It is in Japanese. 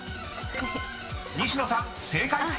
［西野さん正解！］